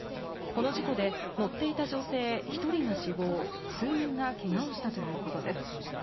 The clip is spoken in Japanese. この事故で乗っていた女性１人が死亡数人が怪我をしたということです。